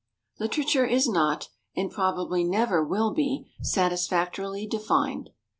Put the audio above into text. = Literature is not, and probably never will be, satisfactorily defined.